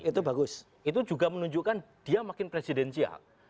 itu juga menunjukkan dia makin presidencial